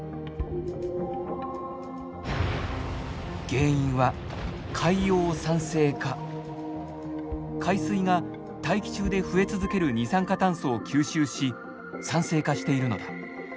原因は海水が大気中で増え続ける二酸化炭素を吸収し酸性化しているのだ。